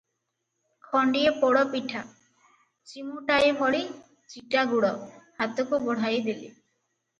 ଖଣ୍ଡିଏ ପୋଡ଼ପିଠା, ଚିମୁଟାଏ ଭଳି ଚିଟା ଗୁଡ଼ ହାତକୁ ବଢ଼ାଇ ଦେଲେ ।